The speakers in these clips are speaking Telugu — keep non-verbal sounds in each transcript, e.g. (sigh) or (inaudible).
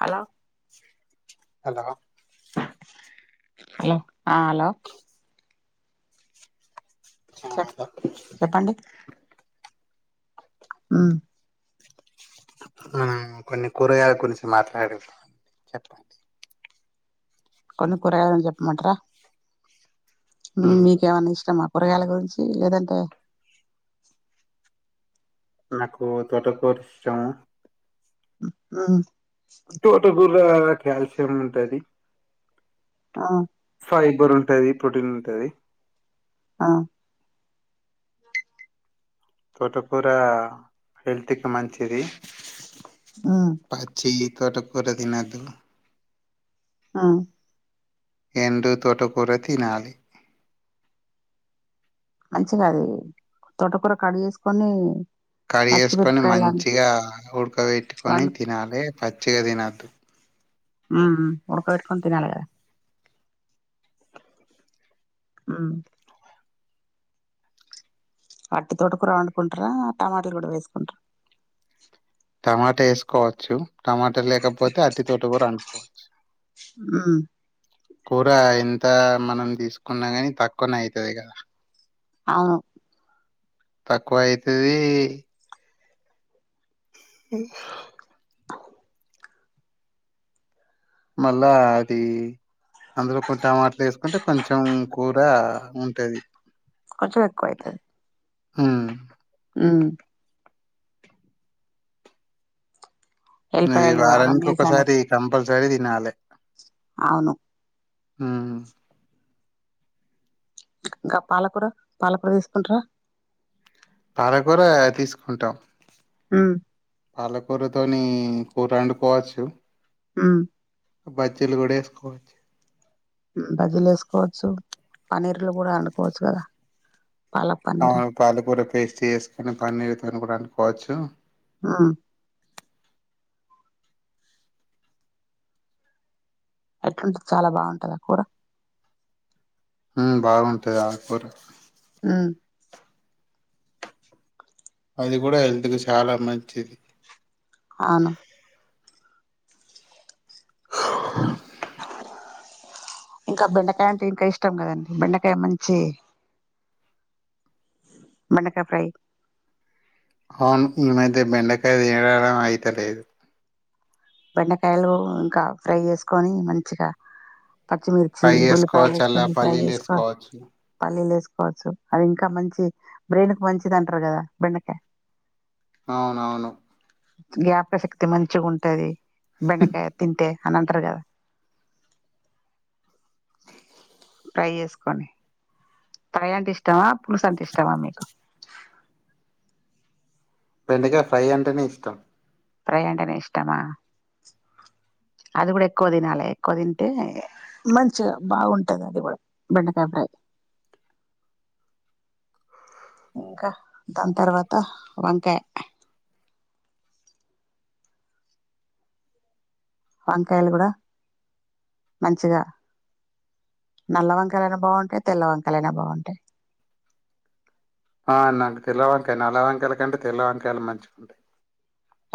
హలో హలో హలో చెక్ చెప్పండి ఊ మనం కొన్ని కూరగాయ గురించి మాట్లాడదం చెప్పన్ కొన్ని కూరగాయని జప్మంటరా మీకేమన్న ఇష్టమా కూరగాయల గురించి లేదంటే నాకు తోటకూర్ ఇష్టము ఉ ఉమ్ తోటకూర అట్ క్యాల్సియం ఉంటాది ఆ ఫైబర్ ఉంటాది ప్రొటిన్ ఉంటాది ఆ తోట కూర హెల్త్ కి మంచిది మ్మ్ పచ్చి తోటకూర తిన్నదు ఆ ఎండు తోటకుర తినాలి మంచిగది తోటకూర కడిగేసుకొని కడిగేసుకొని మంచిగా ఉడ్కబెట్టుకొని వండు తినాలే పచ్ చేదినద్దు ఉమ్ ఉడక పెట్టుకొని తినాలగదా ఉమ్ అట్టి తోటకూడా వండుకుంటార టమాటలు కూడా వేసుకుంటార టమాటా వేసుకోవచ్చు టమాటల్ లేకపోతే అట్టి తోట కూడా అండుకో మ్మ్ కూరా ఎంతా మనం తీసుకున్నా కాని తక్కువనే అయితది కదా అవును తక్కువ అయితదీ ఉమ్ మళ్ళా అది అందులో కొన్ని టమాట్లు వేసుకుంటే కొంచెం కూర ఉంటది. కొంచెము ఎక్కువయితది హుమ్ ఉమ్ మరి ఎల్లిపాయలు వారానికి అవన్నీ వేసి ఒకసారి కంపల్ సరి దినాలే అవును ఊ ఇంకా పాలకూర పాలకూర తీసుకుంటరా పాలకూర తీస్ ఉంటా ఊ పాలకూరతోని కూర అండుకోవచ్చు ఊ బజ్జీలు కూడా ఏసుకోవచ్చు బజ్జీలేసుకోవచ్చు పనీర్లు కూడా అండుకోవచ్చు కదా పాలక్ అ పన్నీర్ అని పాలకూర పేస్ట్ చేసుకుని పన్నీర్ తోని కూడా అండుకోవచ్చు ఆ అట్లుంటది చాలా బావుంటాదా కూర ఊమ్ బావుంటాది ఆ కూర ఊ అది కూడా హెల్త్ కి చాలా మంచిది ఆను ఇంకా బెండకాయ అంటే ఇంకా ఇష్టం కదండి బెండకాయ మంచి బెండకాయ ఫ్రై అవును ఈ మధ్య బెండకాయ తీ (unintelligible) డం అయితలేదు బెండకాయలు ఇంకా ఫ్రై చేసుకోని మంచిగా పచ్చిమిర్చి ఫ్రై చేసుకోవచ్చు అలా ఉల్లిపాయలేసుకొని ఫ్రై పల్లీలు చేసుకో వేసుకోవచ్చు పల్లీలేసు కోవచ్చు అది ఇంకా మంచి బ్రెయిన్ కు మంచిదంటారు కదా బెండకాయ అవునవును జ్ఞాపకశక్తి మంచిగుంటాది బెండకాయ తింటే అలాఅంటరు కదా ఫ్రై చేసుకొని కర్రీ అంటే ఇష్టమా, పులుసు అంటే ఇష్టమా మీకు? బెండకాయ ఫ్రై అంటేనే ఇష్టం. ఫ్రై అంటేనే ఇష్టమా. అది కూడా ఎక్కువ తినాలె ఎక్కువ తింటే మంచిగా బావుంటది అది కూడా బెండకాయ ఫ్రై. ఇంకా దాని తర్వాత వంకాయ వంకాయలు కూడా మంచిగా నల్ల వంకాయలైనా బావుంటయి, తెల్ల వంకాయలైన బావుంటయి. ఆ నాకు తెలవక నల్ల వంకాయలు కంటే తెల్ల వంకాయలు మంచిగా ఉంటయి.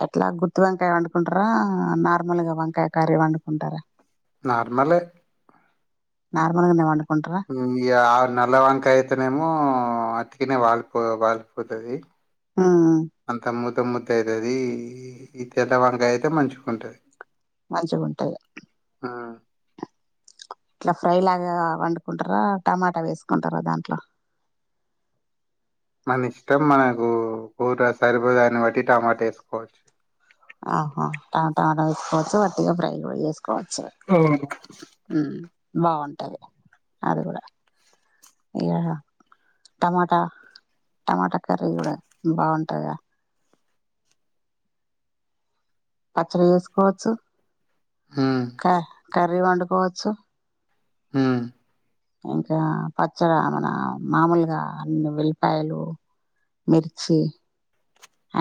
ఎట్లా గుత్తివంకాయ వండుకుంటరా, నార్మల్ గా వంకాయ కర్రీ వండుకుంటరా. నార్మలే నార్మల్ గానే వండురా. హ్ యా ఆ నల్ల వంకాయా అయితేనేమో ఆ అతికినయి వాలిపో వాలిపోతది. ఆహా తొమ్ముది అయితది ఈ తెల్లవంకాయ అయితే మంచిగుంటది. మంచిగుంటయా ఆ ఇట్లా ఫ్రై లాగా వండుకుంటరా, టమాట వేసుకుంటరా దాంట్లా. మన ఇష్టం మనకు కూర సరిపోయే దాన్ని బట్టి టమాట వేసుకోవచ్చు. ఆహా ట టమాట వేసుకోచ్చు, వట్టిగా ఫ్రై ఎస్కోవచ్చు అవును హ్ బావుంటది. అది కూడా ఇగా టమాట టమాట కర్రీ కూడా బావుంటదా. పచ్చడి చేసుకోవచ్చు, ఉహ్ క కర్రీ వండుకోవచ్చు. ఉహ్ ఇంకా పచ్చడ మన మామూలుగా అన్ని ఎల్లిపాయలు, మిర్చి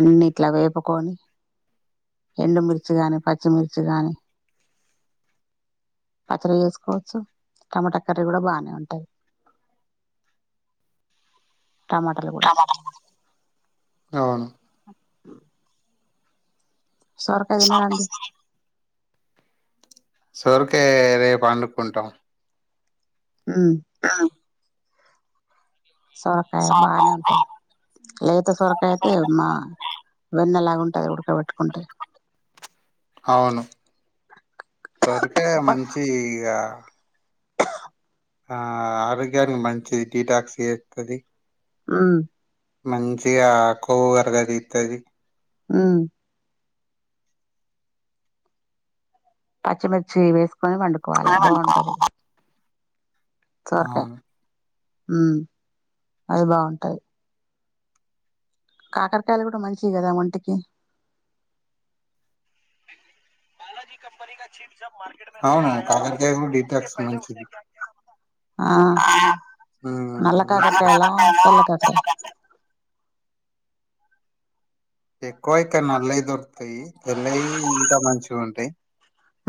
అన్ని ఇట్లా వేపుకొని ఎండుమిర్చి గాని, పచ్చిమిర్చి గాని పచ్చడి చేసుకోవచ్చు, టమాటా కర్రీ కూడా బానే ఉంటది. టమాటాలు కూడా అవును. సొరకాయ తినరా అండి. సొరకాయ రేపు వండుకుంటం. ఉహ్ సొరకాయ బానే ఉంటది. లేత సొరకాయ అయితే మా వెన్నెలాగ ఉంటది ఉడకబెట్టుకుంటే. అవును సొరకాయ మంచి ఇగా ఆ ఆరోగ్యానికి మంచిది డీటాక్స్ చేస్తది. ఉహ్ మంచిగా ఆ కొవ్వు కరగదితది. ఉహ్ పచ్చిమిర్చి వేసు కొని వండుకోవాలే బావుంటాది సోర్కాయ అవును ఊ అది బావుంటాయి కాకరకాయలు కూడా మంచివి కదా ఒంటికి అవునా కాకరకాయ కూడి కక్స్ మంచిది ఆ నల్ల కాకరకాయాలా తెల్ల కాకర ఎక్కువ ఐతే నల్లయి దొరుకుతాయి తెల్లయి ఇంకా మంచిగుంటాయి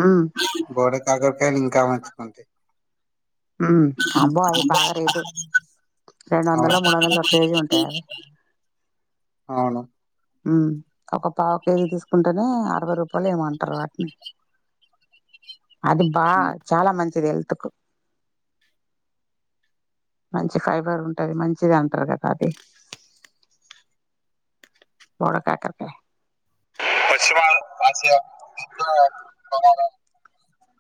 ఉమ్ బోడ కాకర కాయలు ఇంకా మంచిగుంటయ్ ఉమై అబ్బో అవి బాగా రేటు రెండు అవును వందలో మూడు వందలో కేజీ ఉంటాయి అవి అవును ఊ ఒక పావు కేజీ తీసుకుంటేనే అరవై రూపాయలో ఏమో అంటారు వాటిని అది బా చాలా మంచిది హెల్త్ కు మంచి ఫైబర్ ఉంటాది మంచిది అంటారు కదా అది బోడ కాకరకాయ్ (unintelligible)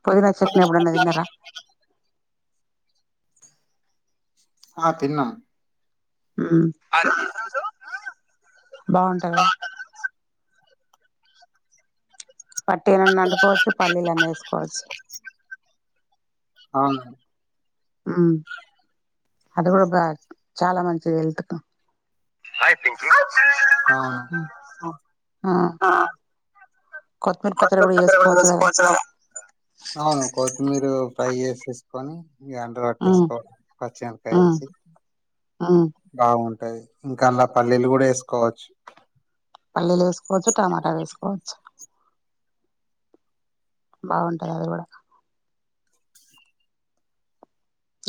పుదినా చట్ని ఎప్పుడన్నా తిన్నారా ఆ తిన్నాం ఊ అది పట్టీలన్నా వండుకోవచ్చు పల్లీలన్నా ఏసుకోవచ్చు అవును ఉమ్ అది కూడా బా చాలా మంచిది హెల్త్ కు ఉమ్, ఆ కొత్తిమీర పచ్చడి కూడా చేసుకోవచ్చు కదా అవును కొత్తిమీరు ట్రై చేసేసుకొని గ్రైండర్ ఉమ్ పట్టేసుకో పచ్చిమిరపకాయ ఉమ్ వేసి ఉమ్ బావున్ టాయి ఇంకా అల్లా పల్లీలు కూడా వేసుకోవచ్చు పల్లీలేసుకోవచ్చు టమాటా వేసు కోవచ్చు బాగుంటది అది కూడా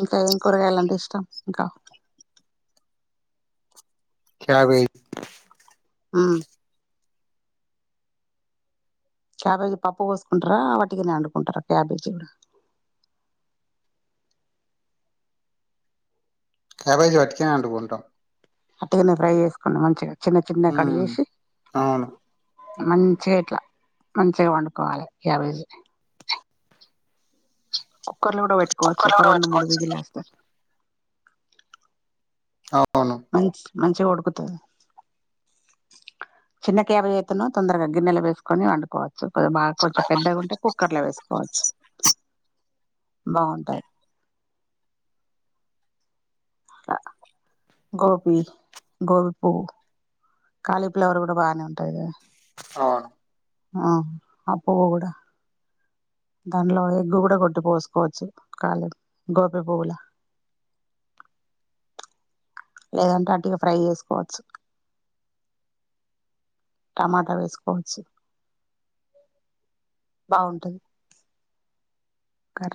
ఇంకా ఏం కూరగాయలాంటే ఇష్టం ఇంకా క్యాబేజ్ హ్మ్ క్యాబేజీ పప్పు పోసుకుంటారా వాటిగానే వండుకుంటారా క్యాబేజీ కూడా క్యాబేజీ వట్టిగానే వండుకుంటాం అట్టుగానే ఫ్రై చేసుకుం మంచిగా చిన్న చిన్న కడి ఉమ్ వేసి అవును మంచిగా ఇట్లా మంచిగా వండుకోవాలి యాబైజ కుర్లు కూడా పెట్టుకోవచ్చు ఒక రెండు మూడు విజులు వేస్తారు అవును మంచి మంచిగాడ్కు (inaudible) బాగా కొంచెం పెద్దగా ఉంటే కుక్కర్ లో వేసుకోవచ్చు బ అ గోబీ గో పూ క్యాలీఫ్లవర్ కూడా బాగానే ఉంటది కదా అవును ఆ ఆ పువ్వు కూడా లేదంటే వటుగా ఫ్రై చేసుకోవచ్చు టమాటా వేసుకోవచ్చు బాగుంటది కర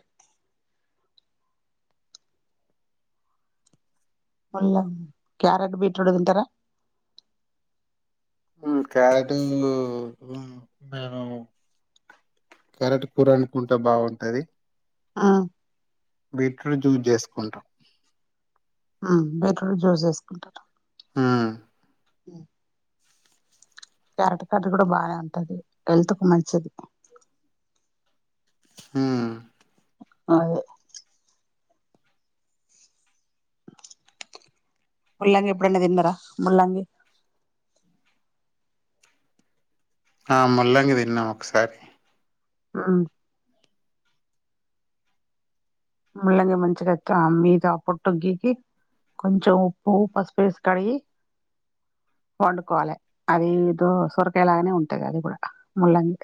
మళ్ళ క్యారెట్ బీట్రూట్ తింటారా ఊ క్యారెట్ మేను క్యారెట్ కూర వండుకుంట బాగుంటది ఆ బీట్రూట్ జూస్ చేసుకుంటాం హ బీట్రూట్ జ్యూస్ చేసుకుంటారు. ఉమ్ ఊ క్యారెట్ కర్రీ కూడా బానే ఉంటది హెల్త్ కు మంచిది ఊ అదే ముల్లంగి ఎప్పుడన్న తిన్నారా ముల్లంగి ఆ ముల్లంగి తిన్నాం ఒకసారి ఊ ముల్లంగి మంచిగా మీద ఆ పొట్టు గీకి కొంచెం ఉప్పు పసుపు వెసి కడిగి వండుకోవాలే అది ఇదో సొరకాయలాగానే ఉంటది అది కూడా ముల్లంగి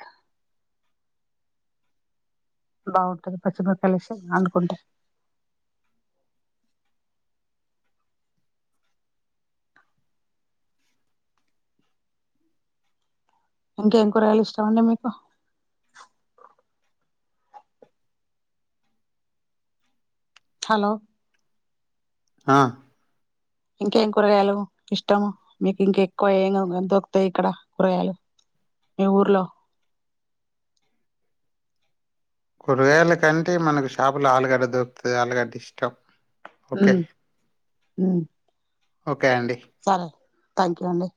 బాగుంటది పచ్చిబకాలు వేస్తె అంటుకుంట ఇంకేం కురగాయలు ఇష్టం అండి మీకు హలో ఆ ఇంకేం కూరగాయలు ఇష్టము మీకు ఇంక ఎక్కువ ఏ ఎ దొరుకుతాయి ఇక్కడ కూరగాయలు మీ ఊర్లో కూరగాయల కంటే మనకు షాపులు ఆలుగడ్డ దొరుకుతుంది ఆలుగడ్డ ఇష్టం ఓకే ఊ ఓకే అండి థాంక్యూ యు అండి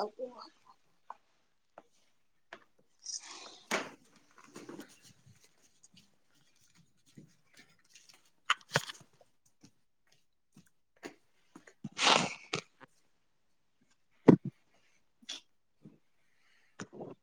అ ఉమ్